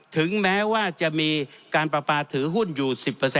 ถึงแม้ว่าจะมีการประปาถือหุ้นอยู่๑๐